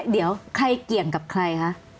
เดี๋ยวใครเกี่ยงกับใครคะ